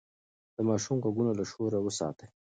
د ماشوم غوږونه له شور وساتئ.